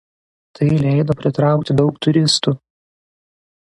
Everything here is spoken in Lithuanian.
Tai leido pritraukti daug turistų.